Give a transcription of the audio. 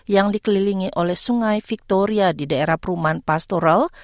yang dikelilingi oleh sungai victoria di daerah perumahan pastoral